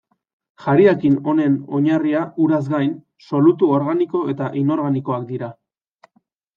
Jariakin honen oinarria uraz gain, solutu organiko eta inorganikoak dira.